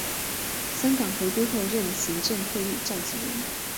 香港回归后任行政会议召集人。